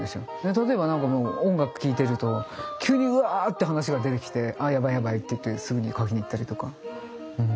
例えば何かもう音楽聴いてると急にうわって話が出てきて「あやばいやばい」って言ってすぐに描きに行ったりとかうん。